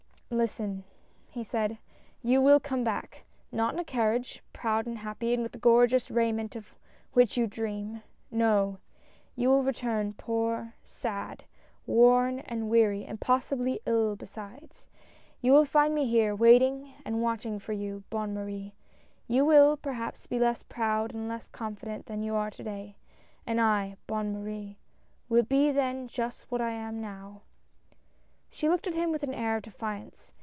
"Listen! —" he said, "you will come back —: not in a carriage, proud and happy, and with the gorgeous raiment of which you dream — no — you will return poor, sad, worn and weary, and possibly ill besides. You will find me here, waiting and watching for you, Bonne Marie; you will perhaps be less proud and less confident than you are to day, and I, Bonne Marie, will be then just what I am now !" She looked at him with an air of defiance.